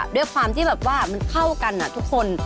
ด้วยความที่แบบว่ามันเข้ากันทุกคน